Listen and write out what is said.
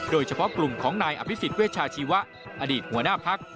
โดยเฉพาะกลุ่มของนายอภิษฎเวชาชีวะอดีตหัวหน้าพัก